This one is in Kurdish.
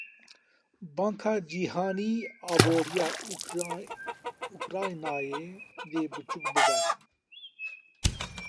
Banka Cîhanî; aboriya Ukraynayê dê biçûk bibe.